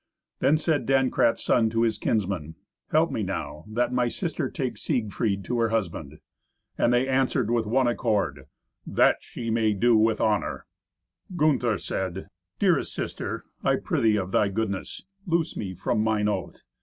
Then said Dankrat's son to his kinsmen, "Help me now, that my sister take Siegfried to her husband." And they answered with one accord, "That may she do with honour." Gunther said, "Dearest sister, I prithee of thy goodness, loose me from mine oath.